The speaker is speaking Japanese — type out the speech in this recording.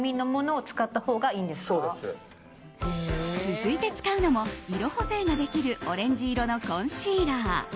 続いて使うのも色補正ができるオレンジ色のコンシーラー。